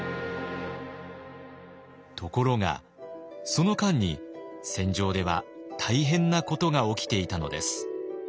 ところがその間に戦場では大変なことが起きていたのです。